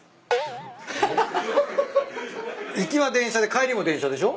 行きは電車で帰りも電車でしょ？